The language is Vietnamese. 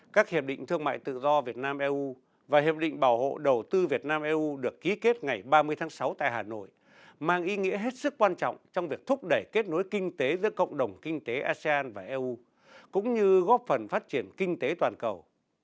các hiệp định thương mại tự do việt nam eu và hiệp định bảo hộ đầu tư việt nam eu được ký kết ngày ba mươi tháng sáu tại hà nội mang ý nghĩa hết sức quan trọng trong việc thúc đẩy kết nối kinh tế giữa cộng đồng kinh tế asean và eu cũng như góp phần phát triển kinh tế toàn cầu